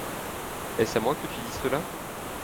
Est-ce à moi que tu dis cela ?